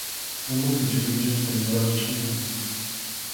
Unupi chulluchisqa yuraq chʼuñu.